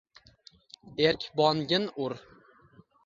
Erk bongin ur